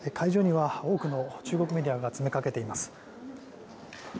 多くの中国メディアが詰めかけています。